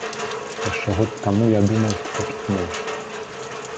Яшчэ год таму я думаў, што такіх менш.